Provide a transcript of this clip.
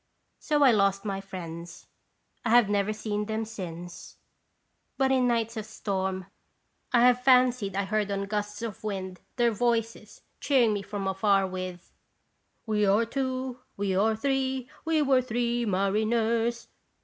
So I lost my friends. I have never seen them since; but in nights of storm I have fancied I heard on gusts of wind their voices cheering me from afar with :" We were two, we were three, We were three mariners."